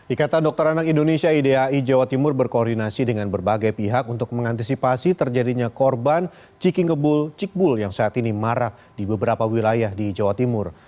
ikatan dokter anak indonesia idai jawa timur berkoordinasi dengan berbagai pihak untuk mengantisipasi terjadinya korban ciki ngebul cikbul yang saat ini marak di beberapa wilayah di jawa timur